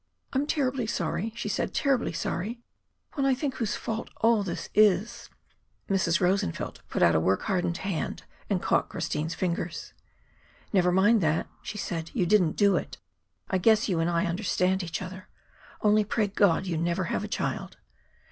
"I am terribly sorry," she said "terribly sorry! When I think whose fault all this is!" Mrs. Rosenfeld put out a work hardened hand and caught Christine's fingers. "Never mind that," she said. "You didn't do it. I guess you and I understand each other. Only pray God you never have a child."